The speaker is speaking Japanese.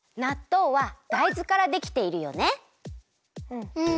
うん。